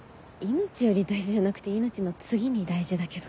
「命より大事」じゃなくて「命の次に大事」だけど。